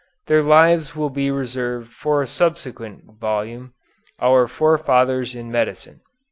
Their lives will be reserved for a subsequent volume, "Our Forefathers in Medicine."